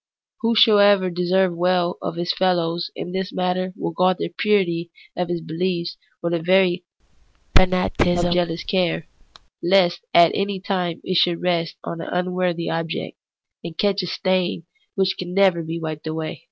Whoso would deserve weU of his feUows in this matter will guard the purity of his belief with a very fanaticism of jealous care, lest at any time it should rest on an unworthy object, and catch a stain which can never be wiped away.